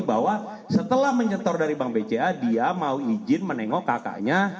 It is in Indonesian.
bahwa setelah menyetor dari bank bca dia mau izin menengok kakaknya